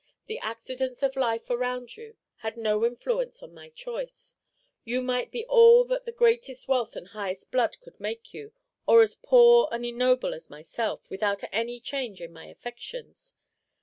The accidents of life around you had no influence on my choice; you might be all that the greatest wealth and highest blood could make you, or as poor and ignoble as myself, without any change in my affections.